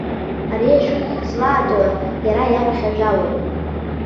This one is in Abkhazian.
Ари ашәҟәы злаатуа иара иаԥхьажәалоуп.